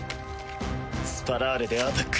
スパラーレでアタック！